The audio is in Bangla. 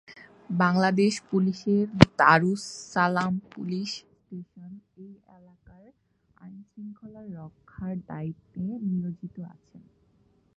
বাংলাদেশ পুলিশের দারুস সালাম পুলিশ স্টেশন এই এলাকার আইনশৃঙ্খলা রক্ষার দায়িত্বে নিয়োজিত আছে।